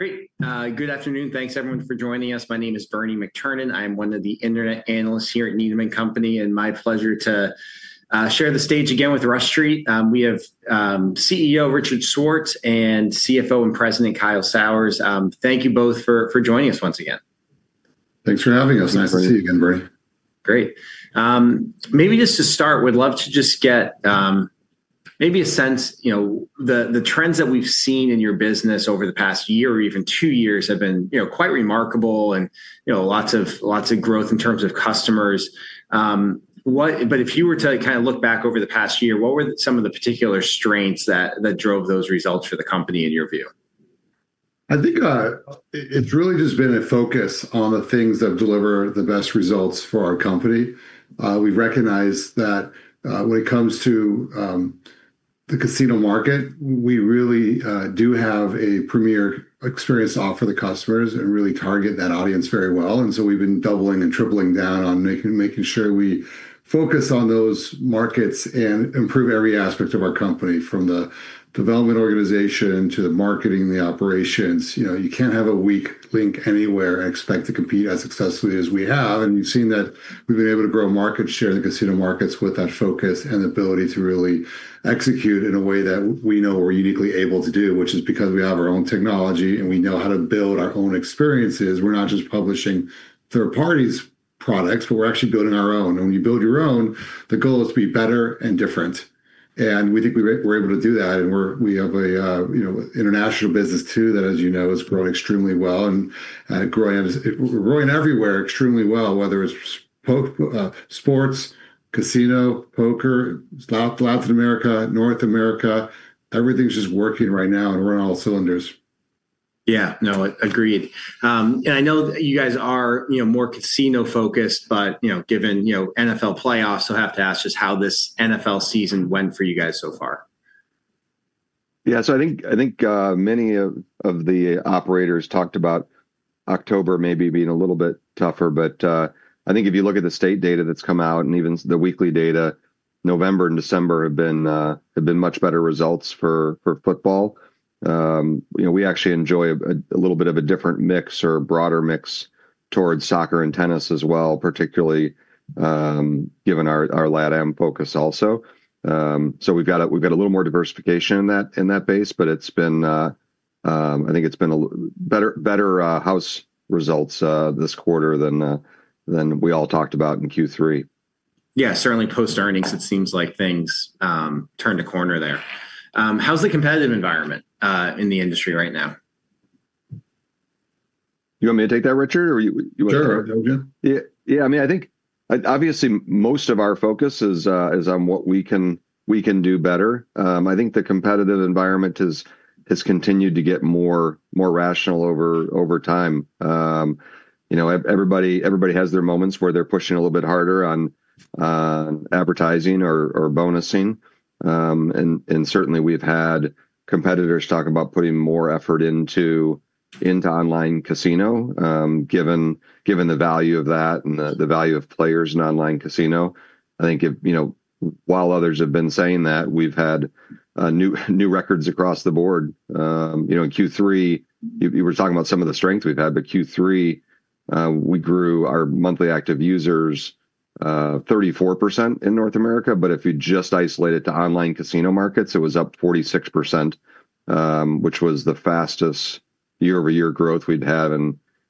Great. Good afternoon. Thanks, everyone, for joining us. My name is Bernie McTernan. I am one of the internet analysts here at Needham & Company, and my pleasure to share the stage again with Rush Street. We have CEO Richard Schwartz and CFO and President Kyle Sauers. Thank you both for joining us once again. Thanks for having us. Nice to see you again, Bernie. Great. Maybe just to start, we'd love to just get maybe a sense of the trends that we've seen in your business over the past year or even two years have been quite remarkable and lots of growth in terms of customers. But if you were to kind of look back over the past year, what were some of the particular strengths that drove those results for the company, in your view? I think it's really just been a focus on the things that deliver the best results for our company. We recognize that when it comes to the casino market, we really do have a premier experience to offer the customers and really target that audience very well, and so we've been doubling and tripling down on making sure we focus on those markets and improve every aspect of our company, from the development organization to the marketing and the operations. You can't have a weak link anywhere and expect to compete as successfully as we have, and you've seen that we've been able to grow market share in the casino markets with that focus and the ability to really execute in a way that we know we're uniquely able to do, which is because we have our own technology and we know how to build our own experiences. We're not just publishing third-party products, but we're actually building our own. And when you build your own, the goal is to be better and different. And we think we're able to do that. And we have an international business too that, as you know, has grown extremely well and growing everywhere extremely well, whether it's sports, casino, poker, Latin America, North America. Everything's just working right now and we're on all cylinders. Yeah, no, agreed, and I know you guys are more casino-focused, but given NFL playoffs, I'll have to ask just how this NFL season went for you guys so far? Yeah, so I think many of the operators talked about October maybe being a little bit tougher. But I think if you look at the state data that's come out and even the weekly data, November and December have been much better results for football. We actually enjoy a little bit of a different mix or broader mix towards soccer and tennis as well, particularly given our LatAm focus also. So we've got a little more diversification in that base, but I think it's been better house results this quarter than we all talked about in Q3. Yeah, certainly post-earnings, it seems like things turned a corner there. How's the competitive environment in the industry right now? You want me to take that, Richard? Sure. Yeah, I mean, I think obviously most of our focus is on what we can do better. I think the competitive environment has continued to get more rational over time. Everybody has their moments where they're pushing a little bit harder on advertising or bonusing. And certainly, we've had competitors talk about putting more effort into online casino, given the value of that and the value of players in online casino. I think while others have been saying that, we've had new records across the board. In Q3, you were talking about some of the strengths we've had, but Q3, we grew our monthly active users 34% in North America. But if you just isolate it to online casino markets, it was up 46%, which was the fastest year-over-year growth we'd had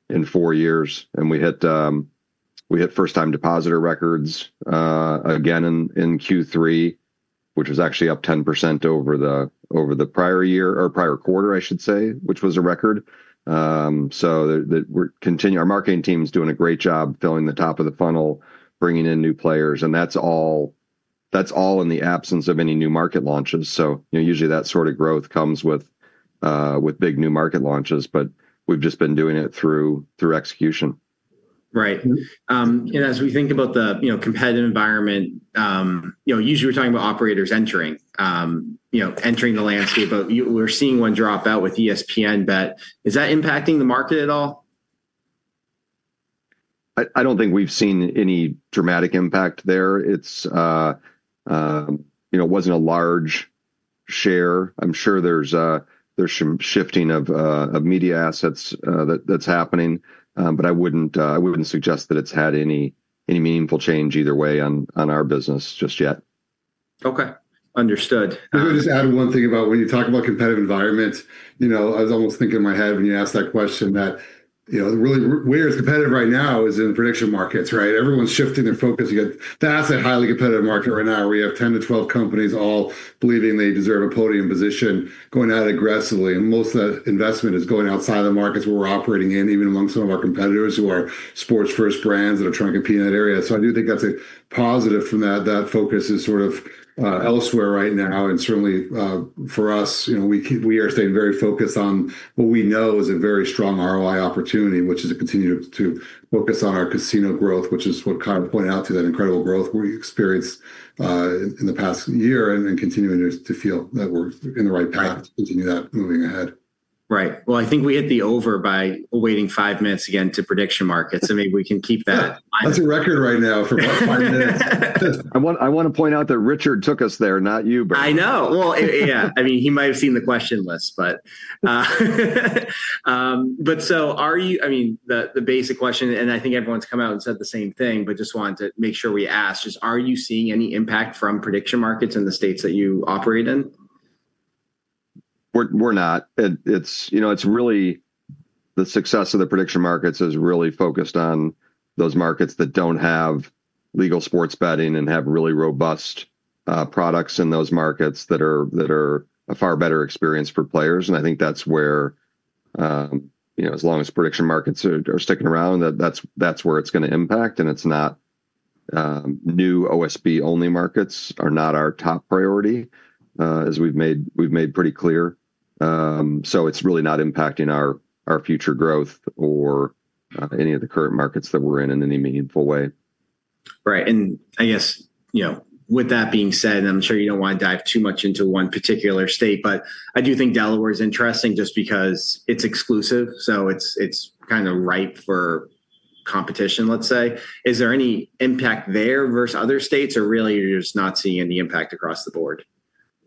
in four years. And we hit first-time depositor records again in Q3, which was actually up 10% over the prior year or prior quarter, I should say, which was a record. So our marketing team is doing a great job filling the top of the funnel, bringing in new players. And that's all in the absence of any new market launches. So usually that sort of growth comes with big new market launches, but we've just been doing it through execution. Right. And as we think about the competitive environment, usually we're talking about operators entering the landscape, but we're seeing one drop out with ESPN BET. Is that impacting the market at all? I don't think we've seen any dramatic impact there. It wasn't a large share. I'm sure there's some shifting of media assets that's happening, but I wouldn't suggest that it's had any meaningful change either way on our business just yet. Okay, understood. I'm going to just add one thing about when you talk about competitive environments. I was almost thinking in my head when you asked that question that really where it's competitive right now is in prediction markets, right? Everyone's shifting their focus. That's a highly competitive market right now where we have 10-12 companies all believing they deserve a podium position, going at it aggressively. And most of that investment is going outside of the markets where we're operating in, even among some of our competitors who are sports-first brands that are trying to compete in that area. So I do think that's a positive from that. That focus is sort of elsewhere right now. Certainly for us, we are staying very focused on what we know is a very strong ROI opportunity, which is to continue to focus on our casino growth, which is what Kyle pointed out, that incredible growth we experienced in the past year and continuing to feel that we're in the right path to continue that moving ahead. Right. Well, I think we hit the over by waiting five minutes again to prediction markets. I mean, we can keep that. That's a record right now for five minutes. I want to point out that Richard took us there, not you, Bernie. I know. Well, yeah, I mean, he might have seen the question list, but. But so I mean, the basic question, and I think everyone's come out and said the same thing, but just wanted to make sure we asked. Just are you seeing any impact from prediction markets in the states that you operate in? We're not. The success of the prediction markets is really focused on those markets that don't have legal sports betting and have really robust products in those markets that are a far better experience for players. And I think that's where, as long as prediction markets are sticking around, that's where it's going to impact. And it's not. New OSB-only markets are not our top priority, as we've made pretty clear. So it's really not impacting our future growth or any of the current markets that we're in in any meaningful way. Right. And I guess with that being said, and I'm sure you don't want to dive too much into one particular state, but I do think Delaware is interesting just because it's exclusive. So it's kind of ripe for competition, let's say. Is there any impact there versus other states, or really you're just not seeing any impact across the board?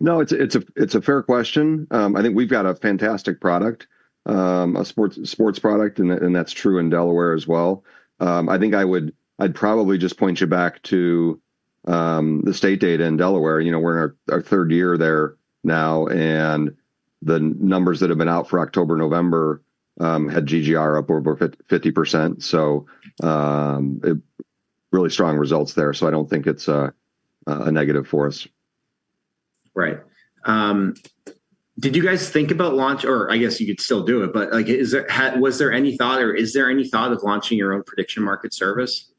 No, it's a fair question. I think we've got a fantastic product, a sports product, and that's true in Delaware as well. I think I'd probably just point you back to the state data in Delaware. We're in our third year there now, and the numbers that have been out for October and November had GGR up over 50%. So really strong results there. So I don't think it's a negative for us. Right. Did you guys think about launching, or I guess you could still do it, but was there any thought, or is there any thought of launching your own prediction market service?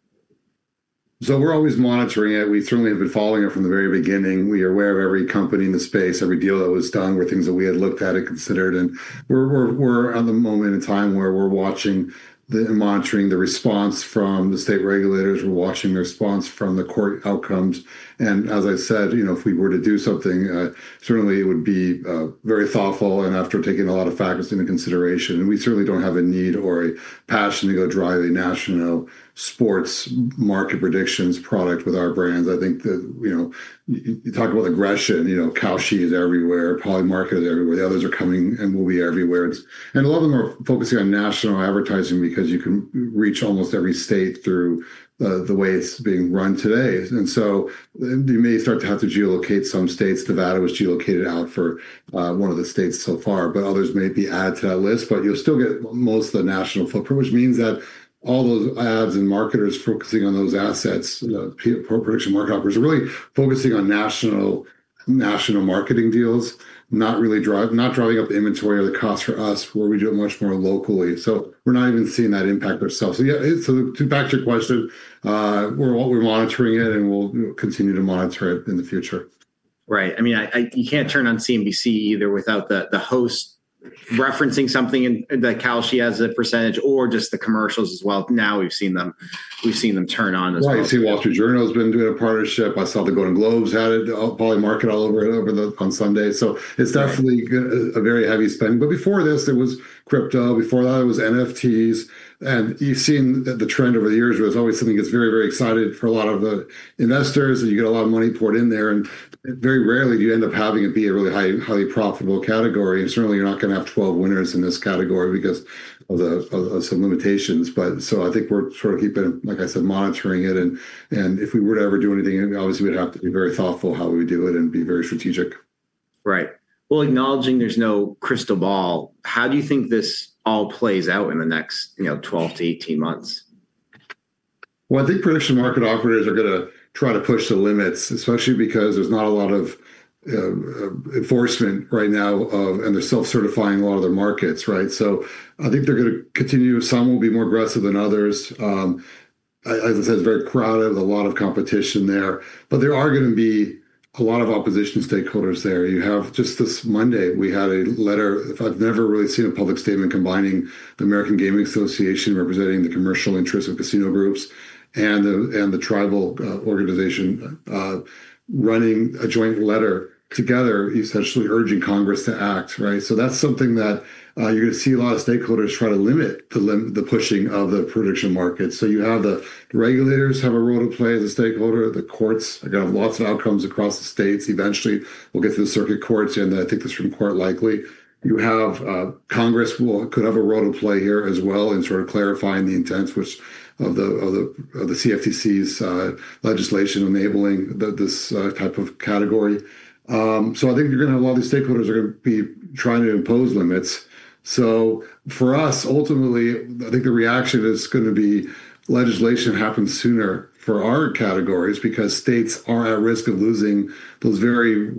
So we're always monitoring it. We certainly have been following it from the very beginning. We are aware of every company in the space, every deal that was done, where things that we had looked at and considered. And we're at the moment in time where we're watching and monitoring the response from the state regulators. We're watching the response from the court outcomes. And as I said, if we were to do something, certainly it would be very thoughtful and after taking a lot of factors into consideration. And we certainly don't have a need or a passion to go drive a national sports market predictions product with our brands. I think you talk about aggression. Kalshi is everywhere. Polymarket is everywhere. The others are coming and will be everywhere. And a lot of them are focusing on national advertising because you can reach almost every state through the way it's being run today. And so you may start to have to geolocate some states. Nevada was geolocated out for one of the states so far, but others may be added to that list. But you'll still get most of the national footprint, which means that all those ads and marketers focusing on those assets, prediction market operators, are really focusing on national marketing deals, not driving up the inventory or the cost for us where we do it much more locally. So we're not even seeing that impact ourselves. So to back to your question, we're monitoring it and we'll continue to monitor it in the future. Right. I mean, you can't turn on CNBC either without the host referencing something and the Kalshi as a percentage or just the commercials as well. Now we've seen them turn on as well. You see, the Wall Street Journal has been doing a partnership. I saw the Golden Globes had it, Polymarket all over on Sunday. So it's definitely a very heavy spend. But before this, it was crypto. Before that, it was NFTs. And you've seen the trend over the years. It was always something that's very, very exciting for a lot of the investors, and you get a lot of money poured in there. And very rarely do you end up having it be a really highly profitable category. And certainly, you're not going to have 12 winners in this category because of some limitations. But so I think we're sort of keeping, like I said, monitoring it. And if we were to ever do anything, obviously we'd have to be very thoughtful how we would do it and be very strategic. Right. Well, acknowledging there's no crystal ball, how do you think this all plays out in the next 12-18 months? I think prediction market operators are going to try to push the limits, especially because there's not a lot of enforcement right now, and they're self-certifying a lot of their markets, right? I think they're going to continue. Some will be more aggressive than others. As I said, it's very crowded. There's a lot of competition there. There are going to be a lot of opposition stakeholders there. Just this Monday, we had a letter. I've never really seen a public statement combining the American Gaming Association representing the commercial interests of casino groups and the tribal organization running a joint letter together, essentially urging Congress to act, right? That's something that you're going to see a lot of stakeholders try to limit the pushing of the prediction markets. You have the regulators have a role to play as a stakeholder. The courts are going to have lots of outcomes across the states. Eventually, we'll get to the circuit courts, and I think the Supreme Court likely. Congress could have a role to play here as well in sort of clarifying the intents of the CFTC's legislation enabling this type of category. So I think you're going to have a lot of these stakeholders are going to be trying to impose limits. So for us, ultimately, I think the reaction is going to be legislation happens sooner for our categories because states are at risk of losing those very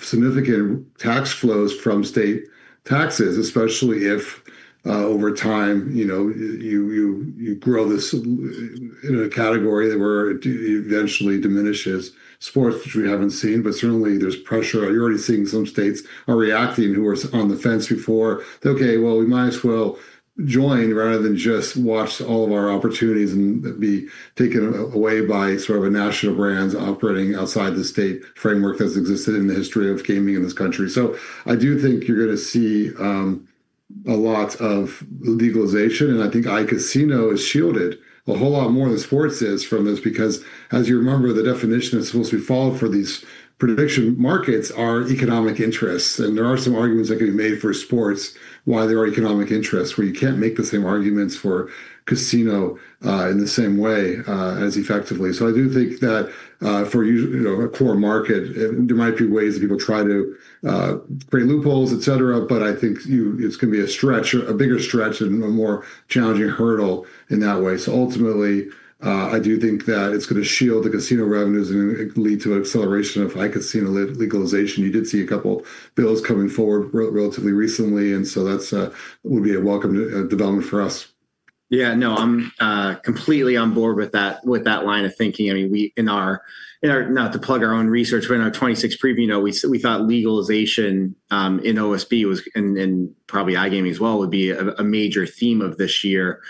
significant tax flows from state taxes, especially if over time you grow this in a category where it eventually diminishes sports, which we haven't seen. But certainly, there's pressure. You're already seeing some states are reacting who were on the fence before. Okay, well, we might as well join rather than just watch all of our opportunities and be taken away by sort of a national brand operating outside the state framework that's existed in the history of gaming in this country. So I do think you're going to see a lot of legalization. And I think iCasino is shielded a whole lot more than sports is from this because, as you remember, the definition is supposed to be followed for these prediction markets are economic interests. And there are some arguments that can be made for sports why they are economic interests where you can't make the same arguments for casino in the same way as effectively. So I do think that for a core market, there might be ways that people try to create loopholes, et cetera, but I think it's going to be a stretch, a bigger stretch and a more challenging hurdle in that way. So ultimately, I do think that it's going to shield the casino revenues and lead to an acceleration of iCasino legalization. You did see a couple of bills coming forward relatively recently, and so that would be a welcome development for us. Yeah, no, I'm completely on board with that line of thinking. I mean, in our, not to plug our own research, but in our 2026 preview note, we thought legalization in OSB and probably iGaming as well would be a major theme of this year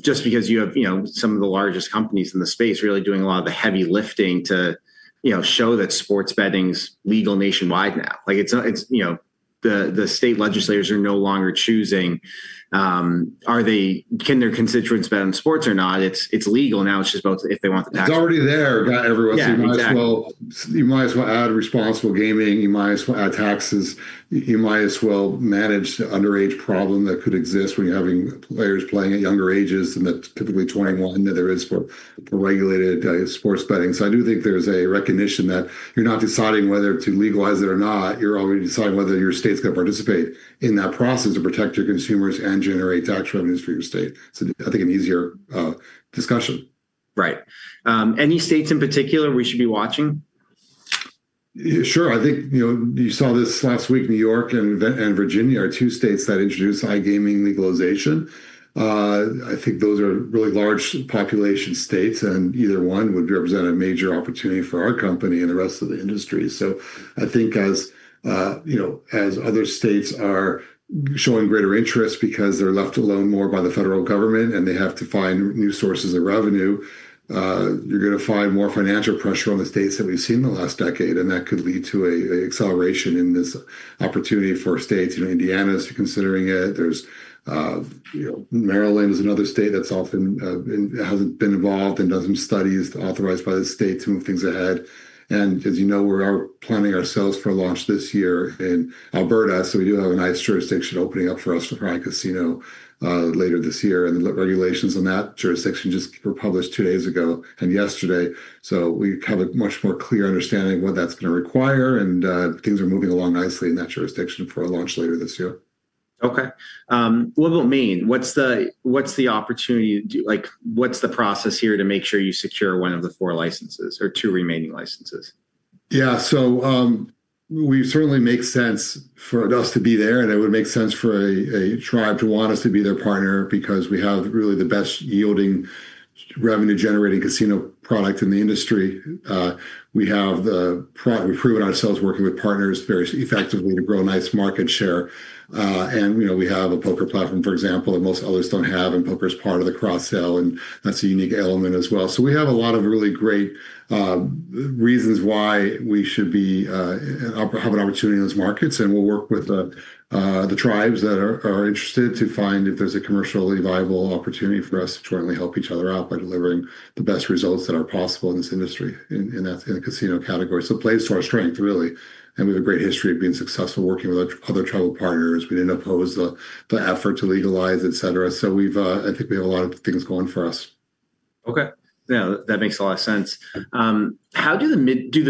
just because you have some of the largest companies in the space really doing a lot of the heavy lifting to show that sports betting is legal nationwide now. The state legislators are no longer choosing, can their constituents bet on sports or not? It's legal now. It's just about if they want the taxes. It's already there. Everyone's like, you might as well add responsible gaming. You might as well add taxes. You might as well manage the underage problem that could exist when you're having players playing at younger ages than typically 21 that there is for regulated sports betting. So I do think there's a recognition that you're not deciding whether to legalize it or not. You're already deciding whether your state's going to participate in that process to protect your consumers and generate tax revenues for your state. So I think an easier discussion. Right. Any states in particular we should be watching? Sure. I think you saw this last week. New York and Virginia are two states that introduced iGaming legalization. I think those are really large population states, and either one would represent a major opportunity for our company and the rest of the industry. So I think as other states are showing greater interest because they're left alone more by the federal government and they have to find new sources of revenue, you're going to find more financial pressure on the states that we've seen in the last decade. And that could lead to an acceleration in this opportunity for states. Indiana is considering it. Maryland is another state that often hasn't been involved and does some studies authorized by the state to move things ahead. And as you know, we're planning ourselves for a launch this year in Alberta. So we do have a nice jurisdiction opening up for us for iCasino later this year. And the regulations on that jurisdiction just were published two days ago and yesterday. So we have a much more clear understanding of what that's going to require. And things are moving along nicely in that jurisdiction for a launch later this year. Okay. What will it mean? What's the opportunity? What's the process here to make sure you secure one of the four licenses or two remaining licenses? Yeah, so we certainly make sense for us to be there, and it would make sense for a tribe to want us to be their partner because we have really the best yielding revenue-generating casino product in the industry. We have the product we've proven ourselves working with partners very effectively to grow a nice market share, and we have a poker platform, for example, that most others don't have, and poker is part of the cross-sell, and that's a unique element as well. So we have a lot of really great reasons why we should have an opportunity in those markets, and we'll work with the tribes that are interested to find if there's a commercially viable opportunity for us to jointly help each other out by delivering the best results that are possible in this industry in the casino category, so it plays to our strength, really. And we have a great history of being successful working with other tribal partners. We didn't oppose the effort to legalize, et cetera. So I think we have a lot of things going for us. Okay. Yeah, that makes a lot of sense. How do the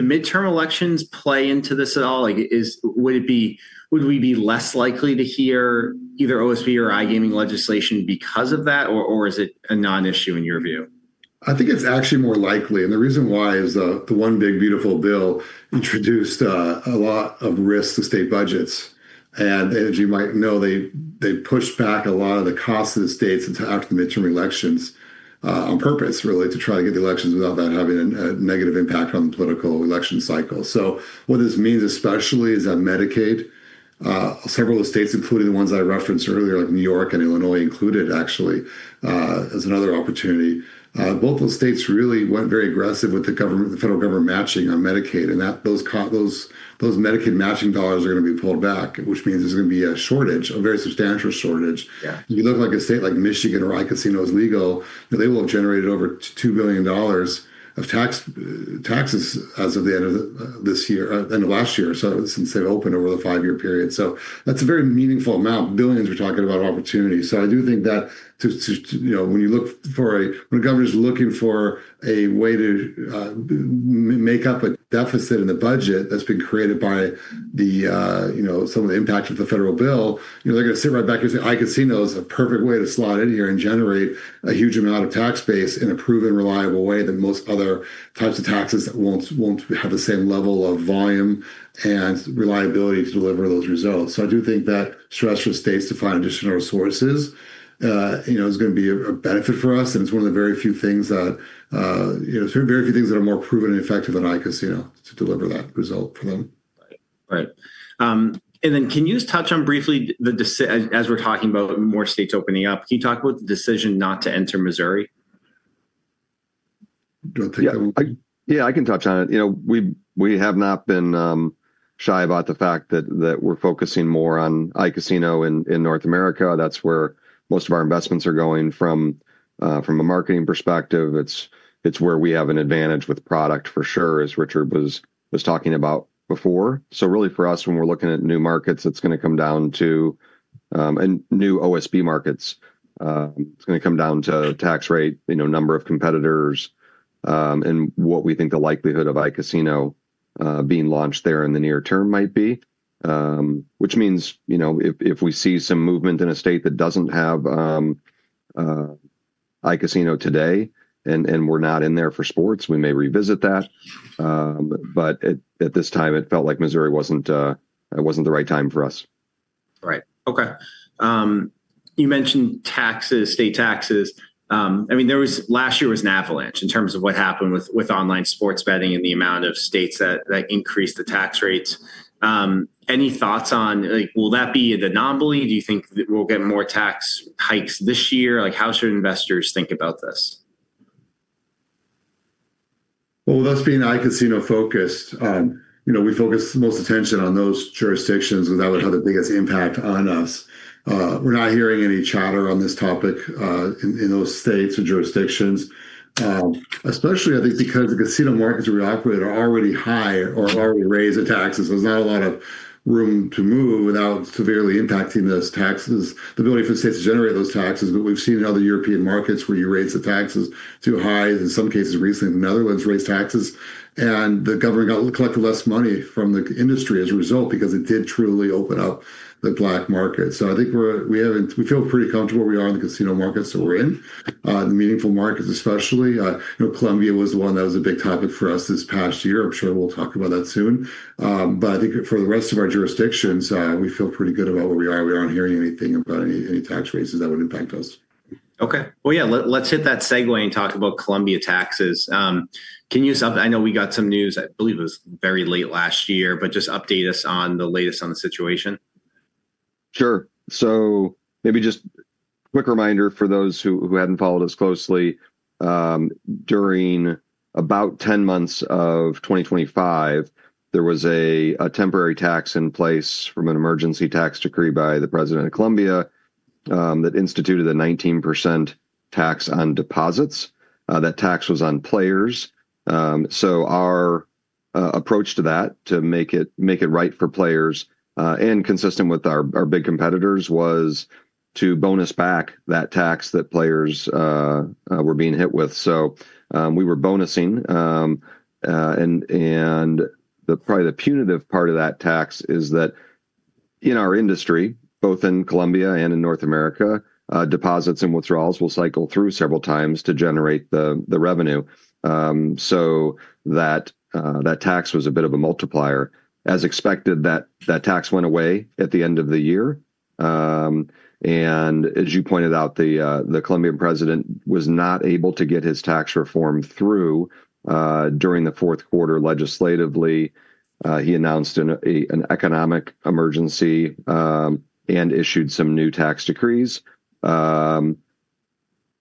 midterm elections play into this at all? Would we be less likely to hear either OSB or iGaming legislation because of that, or is it a non-issue in your view? I think it's actually more likely, and the reason why is the one big beautiful bill introduced a lot of risk to state budgets. As you might know, they pushed back a lot of the costs of the states until after the midterm elections on purpose, really, to try to get the elections without that having a negative impact on the political election cycle, so what this means, especially, is that Medicaid, several of the states, including the ones I referenced earlier, like New York and Illinois included, actually, as another opportunity. Both those states really went very aggressive with the federal government matching on Medicaid, and those Medicaid matching dollars are going to be pulled back, which means there's going to be a shortage, a very substantial shortage. If you look at a state like Michigan where iCasino is legal, they will have generated over $2 billion of taxes as of the end of this year, end of last year, since they've opened over the five-year period. So that's a very meaningful amount. Billions we're talking about opportunity. So I do think that when a government is looking for a way to make up a deficit in the budget that's been created by some of the impact of the federal bill, they're going to sit right back here and say, iCasino is a perfect way to slot in here and generate a huge amount of tax base in a proven reliable way than most other types of taxes that won't have the same level of volume and reliability to deliver those results. So I do think that stress for states to find additional resources is going to be a benefit for us. And it's one of the very few things that are more proven and effective than iCasino to deliver that result for them. Right. And then can you touch on briefly, as we're talking about more states opening up, can you talk about the decision not to enter Missouri? Yeah, I can touch on it. We have not been shy about the fact that we're focusing more on iCasino in North America. That's where most of our investments are going from a marketing perspective. It's where we have an advantage with product for sure, as Richard was talking about before. So really for us, when we're looking at new markets, it's going to come down to new OSB markets. It's going to come down to tax rate, number of competitors, and what we think the likelihood of iCasino being launched there in the near term might be, which means if we see some movement in a state that doesn't have iCasino today and we're not in there for sports, we may revisit that. But at this time, it felt like Missouri wasn't the right time for us. Right. Okay. You mentioned taxes, state taxes. I mean, last year was an avalanche in terms of what happened with online sports betting and the amount of states that increased the tax rates. Any thoughts on, will that be the anomaly? Do you think we'll get more tax hikes this year? How should investors think about this? That's being iCasino-focused. We focus most attention on those jurisdictions because that would have the biggest impact on us. We're not hearing any chatter on this topic in those states or jurisdictions, especially I think because the casino markets where we operate are already high or have already raised the taxes. There's not a lot of room to move without severely impacting those taxes, the ability for states to generate those taxes. But we've seen in other European markets where you raise the taxes too high. In some cases recently, the Netherlands raised taxes and the government collected less money from the industry as a result because it did truly open up the black market. So I think we feel pretty comfortable where we are in the casino markets that we're in, the meaningful markets especially. Colombia was the one that was a big topic for us this past year. I'm sure we'll talk about that soon. But I think for the rest of our jurisdictions, we feel pretty good about where we are. We aren't hearing anything about any tax raises that would impact us. Okay. Well, yeah, let's hit that segue and talk about Colombia taxes. I know we got some news, I believe it was very late last year, but just update us on the latest on the situation. Sure. So maybe just a quick reminder for those who hadn't followed us closely. During about 10 months of 2025, there was a temporary tax in place from an emergency tax decree by the president of Colombia that instituted a 19% tax on deposits. That tax was on players. So our approach to that, to make it right for players and consistent with our big competitors, was to bonus back that tax that players were being hit with. So we were bonusing. And probably the punitive part of that tax is that in our industry, both in Colombia and in North America, deposits and withdrawals will cycle through several times to generate the revenue. So that tax was a bit of a multiplier. As expected, that tax went away at the end of the year. As you pointed out, the Colombian president was not able to get his tax reform through during the fourth quarter. Legislatively, he announced an economic emergency and issued some new tax decrees.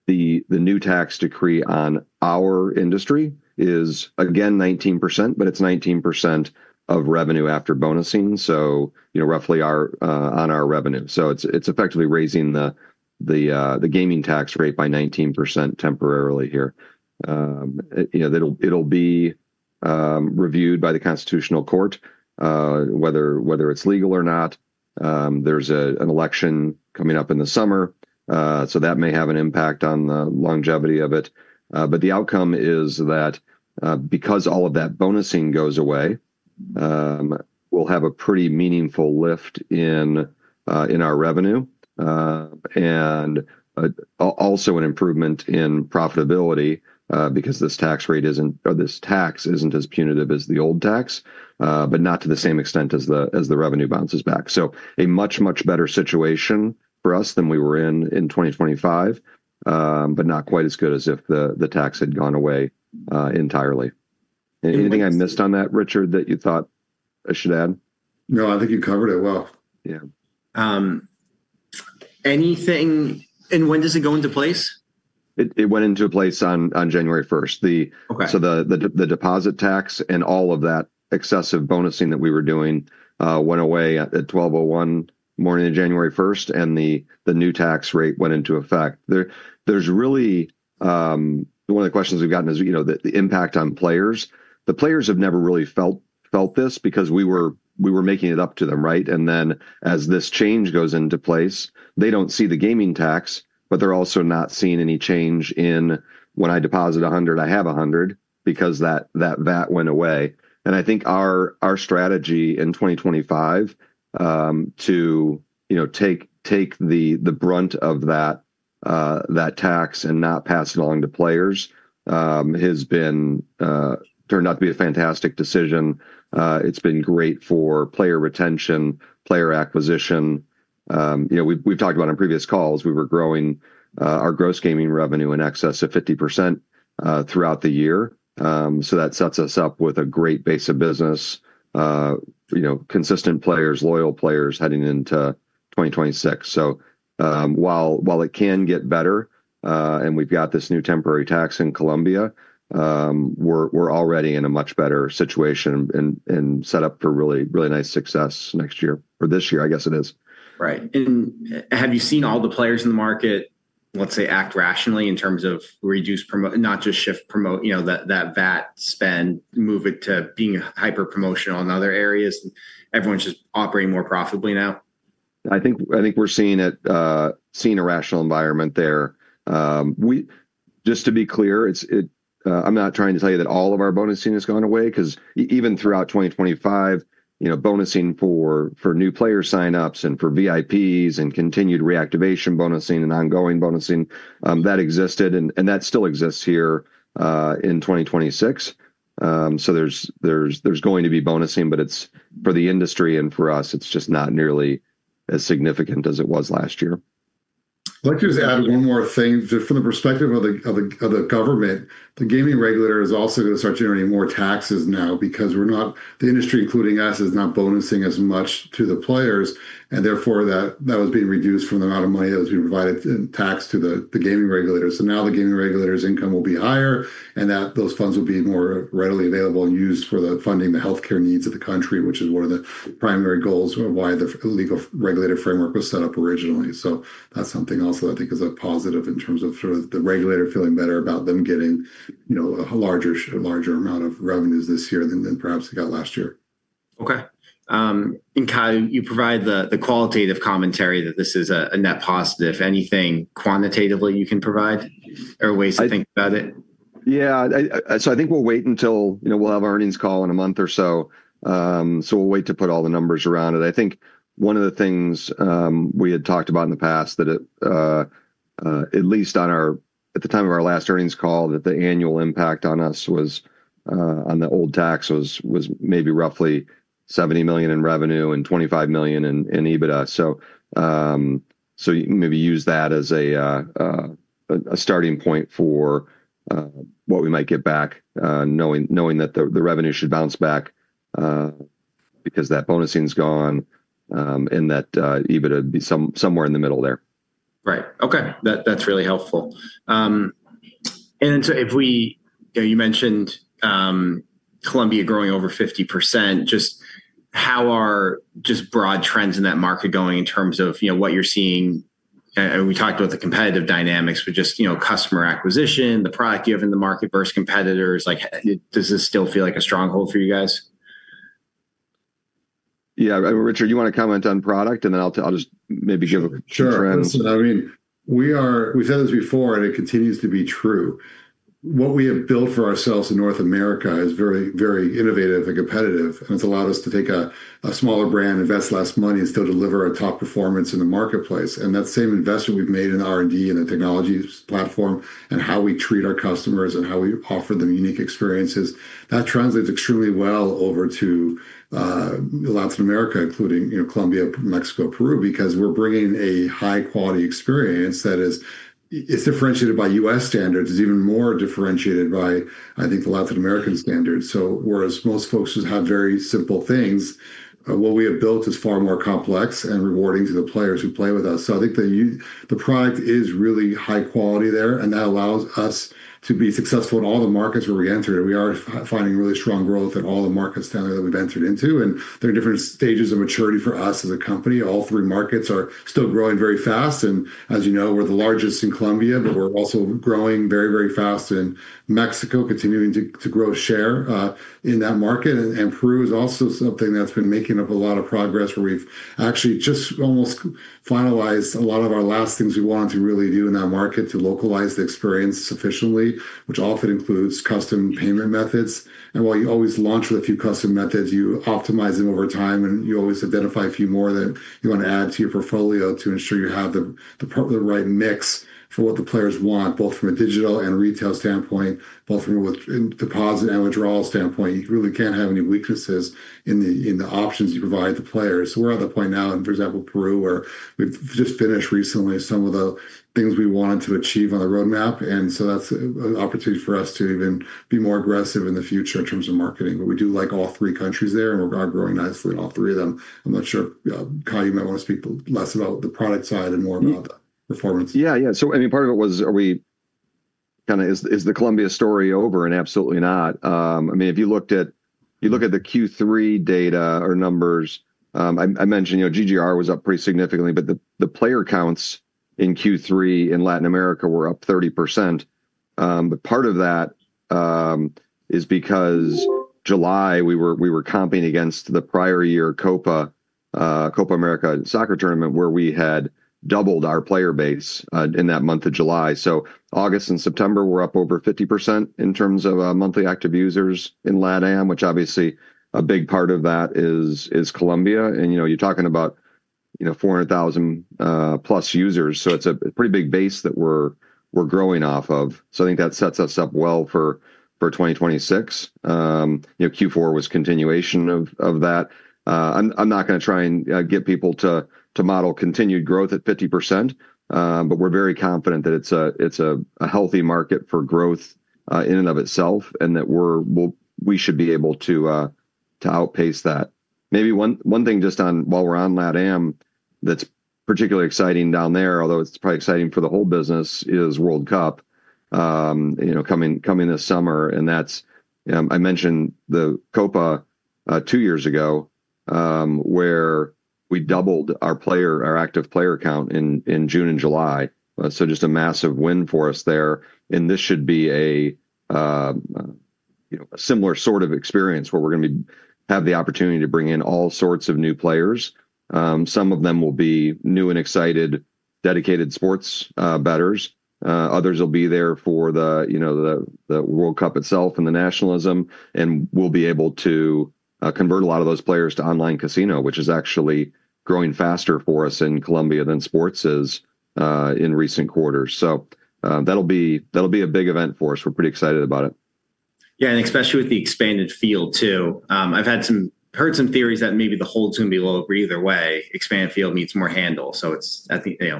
The new tax decree on our industry is, again, 19%, but it's 19% of revenue after bonusing, so roughly on our revenue. So it's effectively raising the gaming tax rate by 19% temporarily here. It'll be reviewed by the Constitutional Court whether it's legal or not. There's an election coming up in the summer, so that may have an impact on the longevity of it. But the outcome is that, because all of that bonusing goes away, we'll have a pretty meaningful lift in our revenue and also an improvement in profitability because this tax rate isn't or this tax isn't as punitive as the old tax, but not to the same extent as the revenue bounces back. So a much, much better situation for us than we were in 2025, but not quite as good as if the tax had gone away entirely. Anything I missed on that, Richard, that you thought I should add? No, I think you covered it well. Yeah, and when does it go into place? It went into place on January 1st, so the deposit tax and all of that excessive bonusing that we were doing went away at 12:01 A.M. on January 1st, and the new tax rate went into effect. There's really one of the questions we've gotten is the impact on players. The players have never really felt this because we were making it up to them, right, and then as this change goes into place, they don't see the gaming tax, but they're also not seeing any change in when I deposit $100, I have $100 because that VAT went away, and I think our strategy in 2025 to take the brunt of that tax and not pass it along to players has turned out to be a fantastic decision. It's been great for player retention, player acquisition. We've talked about it on previous calls. We were growing our gross gaming revenue in excess of 50% throughout the year. So that sets us up with a great base of business, consistent players, loyal players heading into 2026. So while it can get better, and we've got this new temporary tax in Colombia, we're already in a much better situation and set up for really nice success next year or this year, I guess it is. Right. And have you seen all the players in the market, let's say, act rationally in terms of reduce, not just shift, promote that VAT spend, move it to being hyper-promotional in other areas? Everyone's just operating more profitably now? I think we're seeing a rational environment there. Just to be clear, I'm not trying to tell you that all of our bonusing has gone away because even throughout 2025, bonusing for new player sign-ups and for VIPs and continued reactivation bonusing and ongoing bonusing, that existed and that still exists here in 2026, so there's going to be bonusing, but for the industry and for us, it's just not nearly as significant as it was last year. I'd like to just add one more thing. From the perspective of the government, the gaming regulator is also going to start generating more taxes now because the industry, including us, is not bonusing as much to the players, and therefore, that was being reduced from the amount of money that was being provided in tax to the gaming regulator, so now the gaming regulator's income will be higher and those funds will be more readily available and used for funding the healthcare needs of the country, which is one of the primary goals of why the legal regulator framework was set up originally, so that's something also that I think is a positive in terms of the regulator feeling better about them getting a larger amount of revenues this year than perhaps they got last year. Okay. And Kyle, you provide the qualitative commentary that this is a net positive. Anything quantitatively you can provide or ways to think about it? Yeah, so I think we'll wait until we'll have our earnings call in a month or so. So we'll wait to put all the numbers around it. I think one of the things we had talked about in the past that at least at the time of our last earnings call, that the annual impact on us on the old tax was maybe roughly $70 million in revenue and $25 million in EBITDA. So maybe use that as a starting point for what we might get back, knowing that the revenue should bounce back because that bonusing is gone and that EBITDA would be somewhere in the middle there. Right. Okay. That's really helpful. And so you mentioned Colombia growing over 50%. Just how are broad trends in that market going in terms of what you're seeing? And we talked about the competitive dynamics, but just customer acquisition, the product you have in the market versus competitors. Does this still feel like a stronghold for you guys? Yeah. Richard, you want to comment on product, and then I'll just maybe give a trend. Sure. So I mean, we've said this before, and it continues to be true. What we have built for ourselves in North America is very innovative and competitive, and it's allowed us to take a smaller brand, invest less money, and still deliver a top performance in the marketplace, and that same investment we've made in R&D and the technology platform and how we treat our customers and how we offer them unique experiences, that translates extremely well over to Latin America, including Colombia, Mexico, Peru, because we're bringing a high-quality experience that is differentiated by U.S. standards. It's even more differentiated by, I think, the Latin American standards, so whereas most folks just have very simple things, what we have built is far more complex and rewarding to the players who play with us. I think the product is really high quality there, and that allows us to be successful in all the markets where we enter. We are finding really strong growth in all the markets down there that we've entered into. There are different stages of maturity for us as a company. All three markets are still growing very fast. As you know, we're the largest in Colombia, but we're also growing very, very fast in Mexico, continuing to grow share in that market. Peru is also something that's been making a lot of progress where we've actually just almost finalized a lot of our last things we wanted to really do in that market to localize the experience sufficiently, which often includes custom payment methods. While you always launch with a few custom methods, you optimize them over time, and you always identify a few more that you want to add to your portfolio to ensure you have the right mix for what the players want, both from a digital and retail standpoint, both from a deposit and withdrawal standpoint. You really can't have any weaknesses in the options you provide the players. We're at the point now, for example, Peru, where we've just finished recently some of the things we wanted to achieve on the roadmap. That's an opportunity for us to even be more aggressive in the future in terms of marketing. We do like all three countries there, and we are growing nicely in all three of them. I'm not sure, Kyle, you might want to speak less about the product side and more about the performance. Yeah, yeah. So I mean, part of it was, is the Colombia story over? And absolutely not. I mean, if you look at the Q3 data or numbers, I mentioned GGR was up pretty significantly, but the player counts in Q3 in Latin America were up 30%. But part of that is because July, we were comping against the prior year Copa América soccer tournament, where we had doubled our player base in that month of July. So August and September were up over 50% in terms of monthly active users in LatAm, which obviously a big part of that is Colombia. And you're talking about 400,000 plus users. So it's a pretty big base that we're growing off of. So I think that sets us up well for 2026. Q4 was continuation of that. I'm not going to try and get people to model continued growth at 50%, but we're very confident that it's a healthy market for growth in and of itself and that we should be able to outpace that. Maybe one thing just while we're on LatAm that's particularly exciting down there, although it's probably exciting for the whole business, is World Cup coming this summer. And I mentioned the Copa two years ago where we doubled our active player count in June and July. So just a massive win for us there. And this should be a similar sort of experience where we're going to have the opportunity to bring in all sorts of new players. Some of them will be new and excited dedicated sports bettors. Others will be there for the World Cup itself and the nationalism. And we'll be able to convert a lot of those players to online casino, which is actually growing faster for us in Colombia than sports is in recent quarters. So that'll be a big event for us. We're pretty excited about it. Yeah. And especially with the expanded field too. I've heard some theories that maybe the holds will be low. But either way, expanded field needs more handle. So it's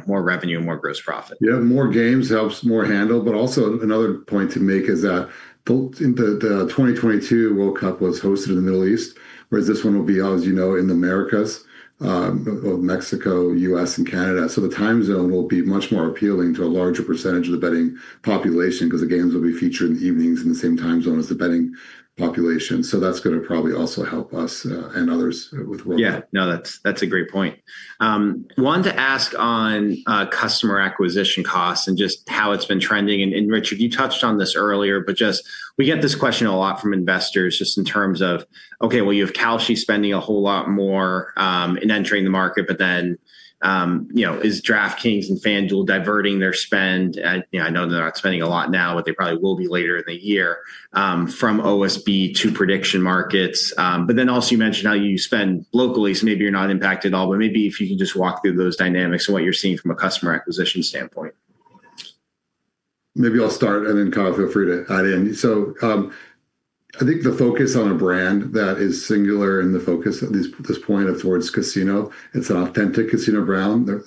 more revenue and more gross profit. Yeah. More games helps more handle. But also another point to make is that the 2022 World Cup was hosted in the Middle East, whereas this one will be, as you know, in the Americas of Mexico, U.S., and Canada. So the time zone will be much more appealing to a larger percentage of the betting population because the games will be featured in the evenings in the same time zone as the betting population. So that's going to probably also help us and others with World Cup. Yeah. No, that's a great point. Wanted to ask on customer acquisition costs and just how it's been trending. Richard, you touched on this earlier, but we get this question a lot from investors just in terms of, okay, well, you have Kalshi spending a whole lot more in entering the market, but then is DraftKings and FanDuel diverting their spend? I know they're not spending a lot now, but they probably will be later in the year from OSB to prediction markets. But then also you mentioned how you spend locally, so maybe you're not impacted at all, but maybe if you can just walk through those dynamics and what you're seeing from a customer acquisition standpoint? Maybe I'll start, and then Kyle, feel free to add in. So I think the focus on a brand that is singular in the focus at this point for iCasino, it's an authentic casino brand. There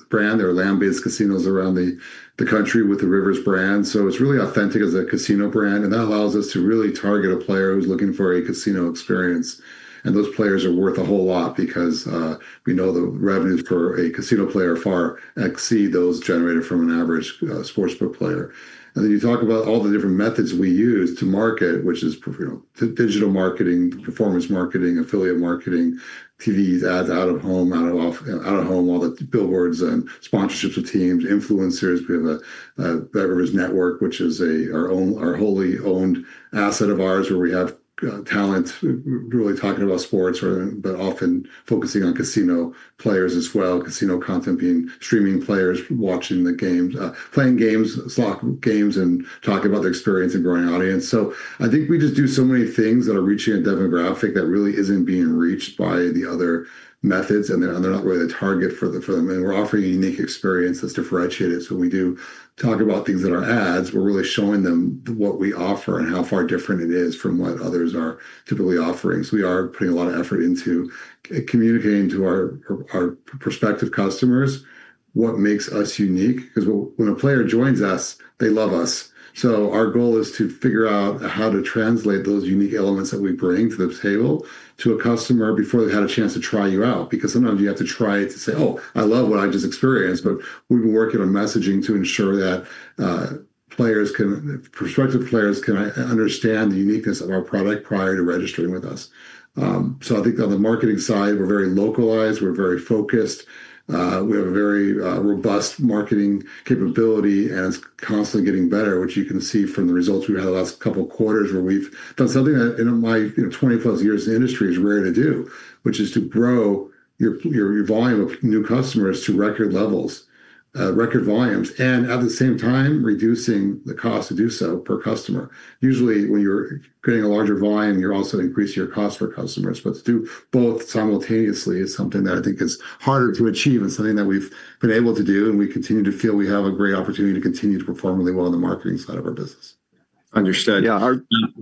are land-based casinos around the country with the Rivers brand. So it's really authentic as a casino brand. And that allows us to really target a player who's looking for a casino experience. And those players are worth a whole lot because we know the revenues for a casino player far exceed those generated from an average sportsbook player. And then you talk about all the different methods we use to market, which is digital marketing, performance marketing, affiliate marketing, TV ads, out of home, all the billboards and sponsorships of teams, influencers. We have a Rivers Network, which is our wholly owned asset of ours where we have talent really talking about sports, but often focusing on casino players as well, casino content being streaming players, watching the games, playing games, slot games, and talking about the experience and growing audience. So I think we just do so many things that are reaching a demographic that really isn't being reached by the other methods, and they're not really the target for them. And we're offering a unique experience that's differentiated. So when we do talk about things that are ads, we're really showing them what we offer and how far different it is from what others are typically offering. So we are putting a lot of effort into communicating to our prospective customers what makes us unique because when a player joins us, they love us. So our goal is to figure out how to translate those unique elements that we bring to the table to a customer before they've had a chance to try you out. Because sometimes you have to try it to say, "Oh, I love what I just experienced," but we've been working on messaging to ensure that prospective players can understand the uniqueness of our product prior to registering with us. So I think on the marketing side, we're very localized. We're very focused. We have a very robust marketing capability, and it's constantly getting better, which you can see from the results we've had the last couple of quarters where we've done something that in my 20-plus years in the industry is rare to do, which is to grow your volume of new customers to record volumes and at the same time reducing the cost to do so per customer. Usually, when you're creating a larger volume, you're also increasing your cost for customers. But to do both simultaneously is something that I think is harder to achieve and something that we've been able to do. And we continue to feel we have a great opportunity to continue to perform really well on the marketing side of our business. Understood. Yeah. I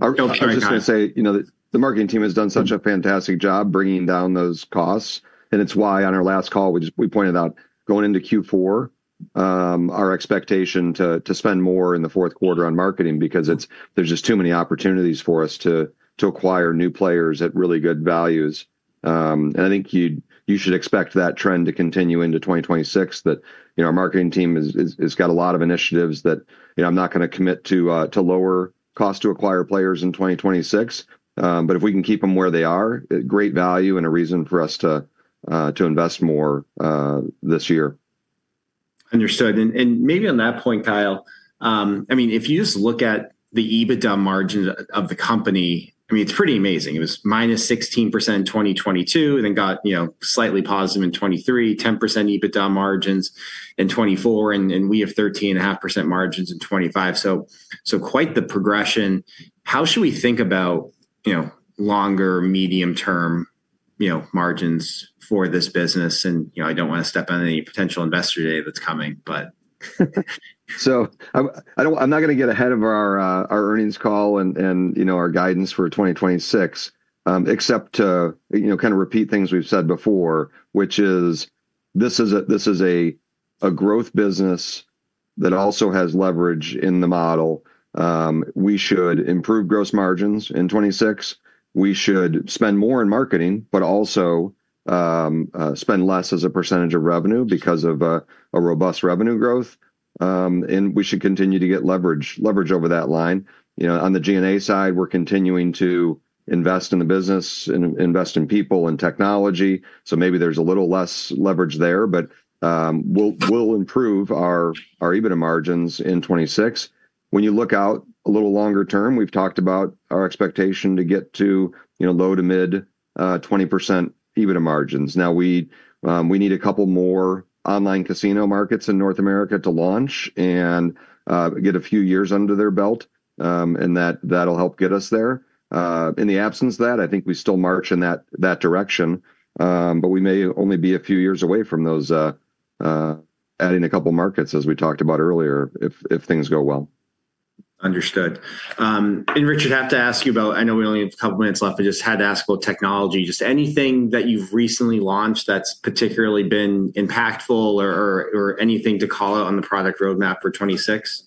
was just going to say the marketing team has done such a fantastic job bringing down those costs. And it's why on our last call, we pointed out going into Q4, our expectation to spend more in the fourth quarter on marketing because there's just too many opportunities for us to acquire new players at really good values. And I think you should expect that trend to continue into 2026, that our marketing team has got a lot of initiatives that I'm not going to commit to lower cost to acquire players in 2026. But if we can keep them where they are, great value and a reason for us to invest more this year. Understood. And maybe on that point, Kyle, I mean, if you just look at the EBITDA margins of the company, I mean, it's pretty amazing. It was -16% in 2022 and then got slightly positive in 2023, 10% EBITDA margins in 2024, and we have 13.5% margins in 2025. So quite the progression. How should we think about longer medium-term margins for this business? And I don't want to step on any potential investor today that's coming, but. I'm not going to get ahead of our earnings call and our guidance for 2026, except to kind of repeat things we've said before, which is this is a growth business that also has leverage in the model. We should improve gross margins in 2026. We should spend more in marketing, but also spend less as a percentage of revenue because of a robust revenue growth. And we should continue to get leverage over that line. On the G&A side, we're continuing to invest in the business and invest in people and technology. So maybe there's a little less leverage there, but we'll improve our EBITDA margins in 2026. When you look out a little longer term, we've talked about our expectation to get to low to mid 20% EBITDA margins. Now, we need a couple more online casino markets in North America to launch and get a few years under their belt, and that'll help get us there. In the absence of that, I think we still march in that direction, but we may only be a few years away from adding a couple of markets, as we talked about earlier, if things go well. Understood, and Richard, I have to ask you about. I know we only have a couple of minutes left, but just had to ask about technology. Just anything that you've recently launched that's particularly been impactful or anything to call out on the product roadmap for 2026?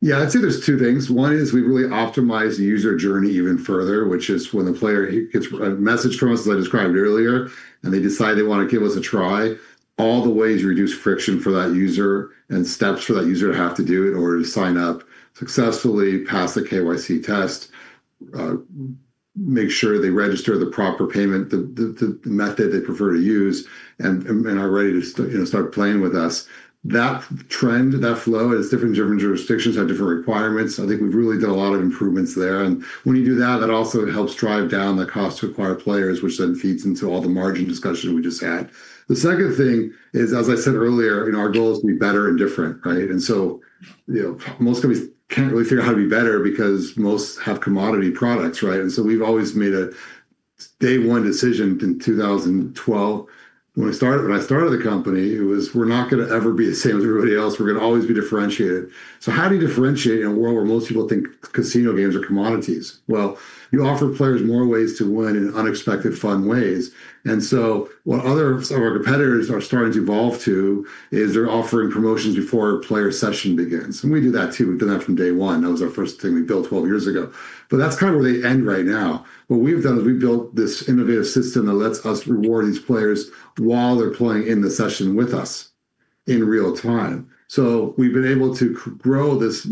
Yeah, I'd say there's two things. One is we've really optimized the user journey even further, which is when the player gets a message from us, as I described earlier, and they decide they want to give us a try, all the ways you reduce friction for that user and steps for that user to have to do in order to sign up successfully, pass the KYC test, make sure they register the proper payment, the method they prefer to use, and are ready to start playing with us. That trend, that flow, as different jurisdictions have different requirements, I think we've really done a lot of improvements there. And when you do that, that also helps drive down the cost to acquire players, which then feeds into all the margin discussion we just had. The second thing is, as I said earlier, our goal is to be better and different, and so most companies can't really figure out how to be better because most have commodity products, and so we've always made a day-one decision in 2012. When I started the company, it was, we're not going to ever be the same as everybody else. We're going to always be differentiated, so how do you differentiate in a world where most people think casino games are commodities? Well, you offer players more ways to win in unexpected fun ways, and so what some of our competitors are starting to evolve to is they're offering promotions before a player session begins. And we do that too. We've done that from day one. That was our first thing we built 12 years ago, but that's kind of where they end right now. What we've done is we've built this innovative system that lets us reward these players while they're playing in the session with us in real time. So we've been able to grow this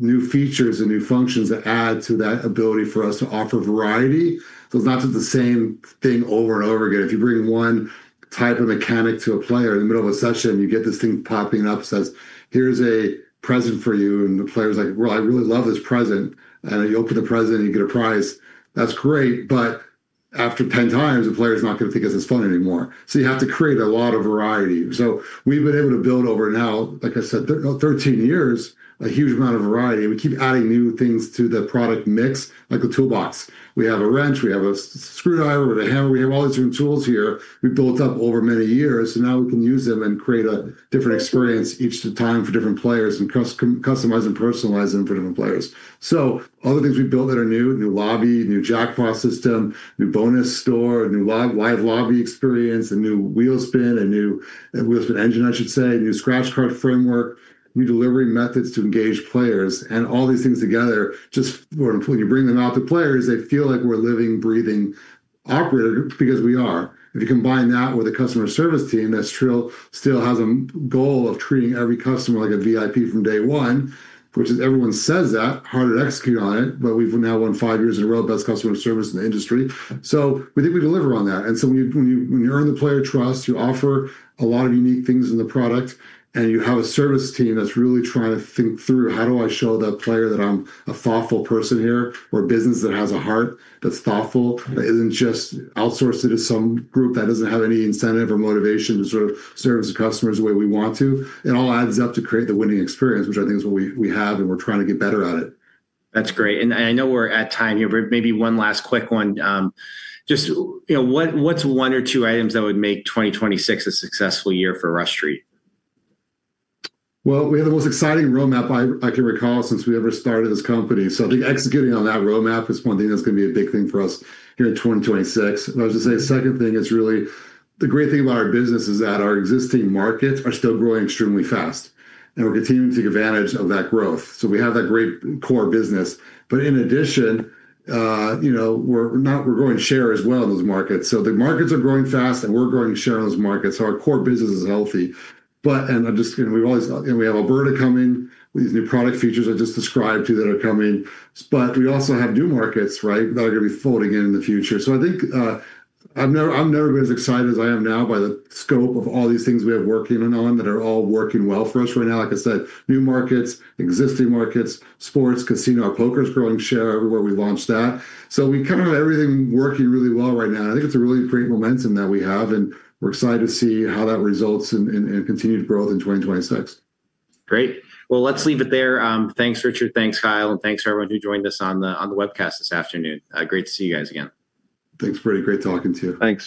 new features and new functions that add to that ability for us to offer variety. So it's not the same thing over and over again. If you bring one type of mechanic to a player in the middle of a session, you get this thing popping up that says, here's a present for you. And the player's like, well, I really love this present. And you open the present, you get a prize. That's great. But after 10x, the player's not going to think it's as fun anymore. So you have to create a lot of variety. So we've been able to build over now, like I said, 13 years, a huge amount of variety. We keep adding new things to the product mix, like a toolbox. We have a wrench. We have a screwdriver. We have a hammer. We have all these different tools here. We built up over many years. So now we can use them and create a different experience each time for different players and customize and personalize them for different players. So other things we built that are new, new lobby, new jackpot system, new bonus store, new live lobby experience, a new wheelspin, a new wheelspin engine, I should say, new scratch card framework, new delivery methods to engage players. And all these things together, just when you bring them out to players, they feel like we're living, breathing operators because we are. If you combine that with a customer service team that still has a goal of treating every customer like a VIP from day one, which is everyone says that, harder to execute on it, but we've now won five years in a row of best customer service in the industry, so we think we deliver on that. And so when you earn the player trust, you offer a lot of unique things in the product, and you have a service team that's really trying to think through, how do I show that player that I'm a thoughtful person here or a business that has a heart that's thoughtful, that isn't just outsourced it to some group that doesn't have any incentive or motivation to sort of serve as a customer the way we want to. It all adds up to create the winning experience, which I think is what we have, and we're trying to get better at it. That's great. And I know we're at time here, but maybe one last quick one. Just what's one or two items that would make 2026 a successful year for Rush Street? We have the most exciting roadmap I can recall since we ever started this company. I think executing on that roadmap is one thing that's going to be a big thing for us here in 2026. I was going to say the second thing is really the great thing about our business is that our existing markets are still growing extremely fast. We're continuing to take advantage of that growth. We have that great core business. In addition, we're growing share as well in those markets. The markets are growing fast, and we're growing share in those markets. Our core business is healthy. We have Alberta coming with these new product features I just described to you that are coming. We also have new markets that are going to be folding in in the future. So I think I'm never been as excited as I am now by the scope of all these things we have working on that are all working well for us right now. Like I said, new markets, existing markets, sports, casino. Our poker's growing share everywhere we launched that. So we kind of have everything working really well right now. I think it's a really great momentum that we have, and we're excited to see how that results in continued growth in 2026. Great. Let's leave it there. Thanks, Richard. Thanks, Kyle. And thanks to everyone who joined us on the webcast this afternoon. Great to see you guys again. Thanks, Bernie. Great talking to you. Thanks.